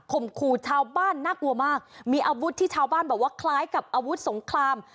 ขู่ชาวบ้านน่ากลัวมากมีอาวุธที่ชาวบ้านบอกว่าคล้ายกับอาวุธสงคราม